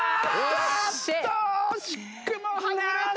おっと惜しくも外れた！